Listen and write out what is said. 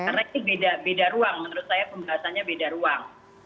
karena ini beda ruang menurut saya pembahasannya beda ruang